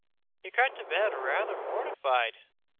He crept to bed rather mortified.